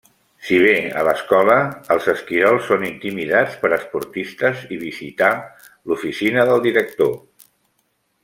Si bé a l'escola, els esquirols són intimidats per esportistes i visitar l'oficina del director.